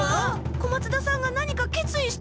小松田さんが何か決意しちゃった。